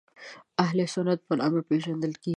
اهل سنت په نامه پېژندل کېږي.